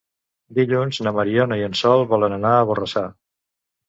Dilluns na Mariona i en Sol volen anar a Borrassà.